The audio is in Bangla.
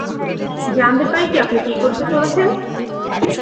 জানতে পারি কি আপনি কি করতে চলেছেন?